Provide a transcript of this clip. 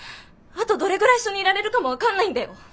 あとどれぐらい一緒にいられるかも分かんないんだよ？